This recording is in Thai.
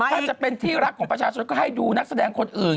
ถ้าจะเป็นที่รักของประชาชนก็ให้ดูนักแสดงคนอื่น